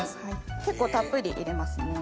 結構たっぷり入れますね。